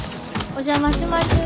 お邪魔します。